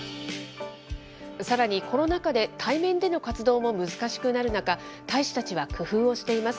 さらに、コロナ禍で対面での活動も難しくなる中、大使たちは工夫をしています。